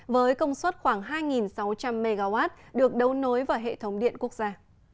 với công suất khoảng hai sáu trăm linh mw được đấu nối vào hệ thống điện quốc gia